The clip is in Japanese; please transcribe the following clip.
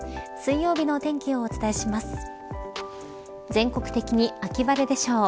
全国的に秋晴れでしょう。